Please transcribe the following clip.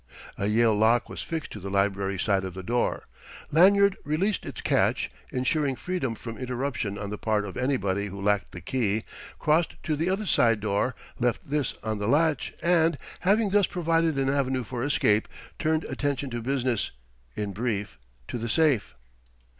A Yale lock was fixed to the library side of the door. Lanyard released its catch, insuring freedom from interruption on the part of anybody who lacked the key, crossed to the other side door, left this on the latch and, having thus provided an avenue for escape, turned attention to business, in brief, to the safe.